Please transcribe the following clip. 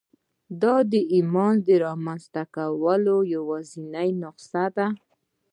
دا د ایمان د رامنځته کولو یوازېنۍ نسخه ده